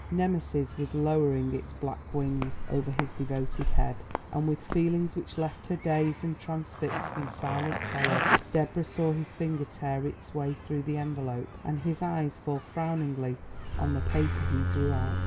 Nemesis was lowering its black wings over his devoted head, and, with feelings which left her dazed and transfixed in silent terror, Deborah saw his finger tear its way through the envelope and his eyes fall frowningly on the paper he drew out.